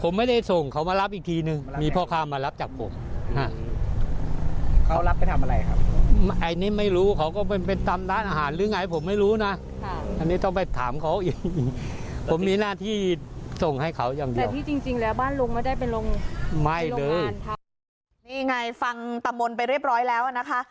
นี่ไงฟังตะมนต์ไปเรียบร้อยแล้วนะคะ